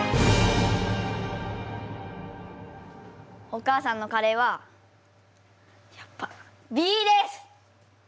お母さんのカレーはやっぱＢです！